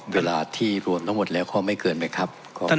เวลาที่รวมทั้งหมดแล้วข้อไม่เกินไหมครับ